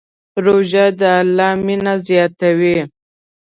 روژه د الله مینه زیاتوي.